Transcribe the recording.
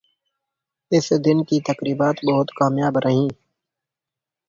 اس دن کی تقریبات بہت کامیاب رہیں